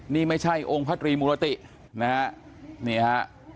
นี่ไม่ใช่องค์พระตรีมุรตินะฮะนี่ฮะ